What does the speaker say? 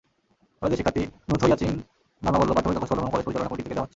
কলেজের শিক্ষার্থী নুথোয়াইচিং মারমা বলল, পাঠ্যবই, কাগজ-কলমও কলেজ পরিচালনা কমিটি থেকে দেওয়া হচ্ছে।